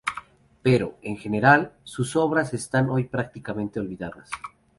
Pero, en general, sus obras están hoy prácticamente olvidadas.